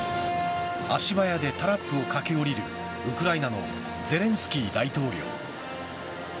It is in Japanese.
足早でタラップを駆けおりるウクライナのゼレンスキー大統領。